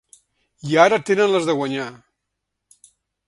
I ara tenen les de guanyar.